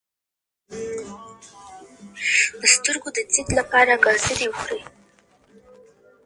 تاسې ولې هره ورځ مسواک نه وهئ؟